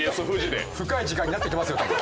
深い時間になっていきますよ。